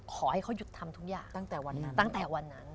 ขอให้เขาหยุดทำทุกอย่างตั้งแต่วันนั้น